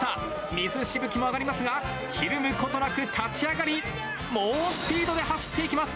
水しぶきも上がりますが、ひるむことなく立ち上がり、猛スピードで走っていきます。